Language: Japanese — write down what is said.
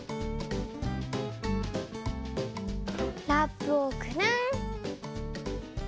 ラップをくるん。